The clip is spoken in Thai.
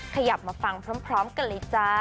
ขยับมาฟังพร้อมกันเล่ยกันแล้วจ้า